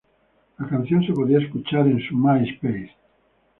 La canción se podía escuchar en su MySpace.